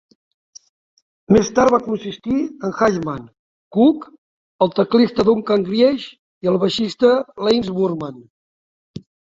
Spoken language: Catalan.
Més tard va consistir en Ashman, Cook, el teclista Duncan Grieg i el baixista Lance Burman.